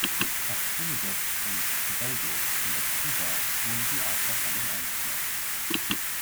Auf Trinidad und Tobago und auf Kuba wurde die Art wahrscheinlich eingeschleppt.